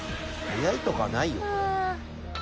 「早いとかないよこれ」